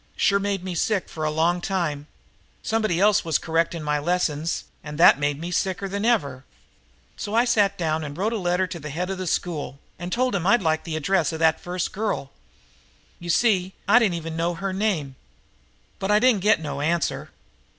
Sure made me sick for a long time. Somebody else was correcting my lessons, and that made me sicker than ever. "So I sat down and wrote a letter to the head of the school and told him I'd like to get the address of that first girl. You see, I didn't even know her name. But I didn't get no answer."